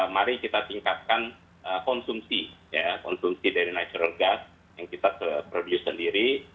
mari kita tingkatkan konsumsi dari natural gas yang kita produce sendiri